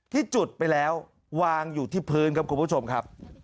ที่จุดไปแล้ววางอยู่ที่พื้นครับคุณผู้ชมครับ